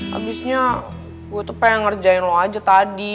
habisnya gue tuh pengen ngerjain lo aja tadi